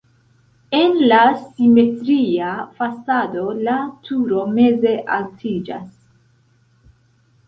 En la simetria fasado la turo meze altiĝas.